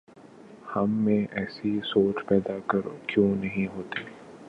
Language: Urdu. ہم میں ایسی سوچ پیدا کیوں نہیں ہوتی؟